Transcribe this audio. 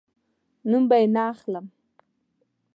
نوم به یې نه اخلم